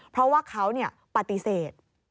เพราะว่าเขาปฏิเสธ